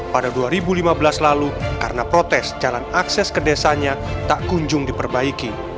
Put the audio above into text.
pada dua ribu lima belas lalu karena protes jalan akses ke desanya tak kunjung diperbaiki